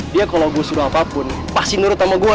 dia kalau gue sudah apapun pasti nurut sama gue